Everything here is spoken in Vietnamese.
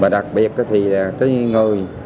đặc biệt là người